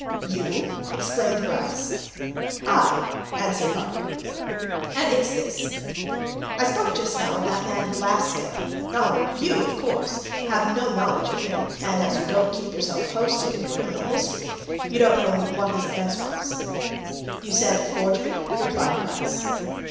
"You?" exclaimed Bryce. "I," answered Harker. "And it's this I spoke just now of that man Glassdale. Now you, of course; have no knowledge of him, and as you don't keep yourself posted in criminal history, you don't know what his offence was?" "You said forgery?" replied Bryce.